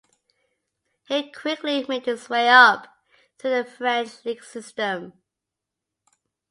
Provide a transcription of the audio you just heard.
He quickly made his way up, through the French league system.